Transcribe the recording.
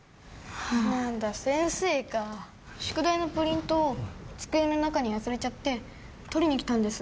何だ先生か宿題のプリントを机の中に忘れちゃって取りに来たんです